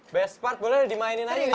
best part boleh dimainin aja